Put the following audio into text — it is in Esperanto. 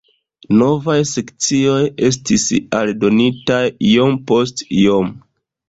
Novaj sekcioj estis aldonitaj iom post iom.